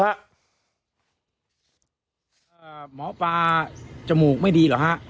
หมอปลาจมูกไม่ดีเหรอฮะ